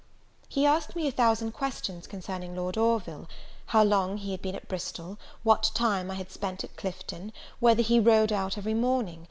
He asked me a thousand questions concerning Lord Orville; how long he had been at Bristol? what time I had spent at Clifton? whether he rode out every morning?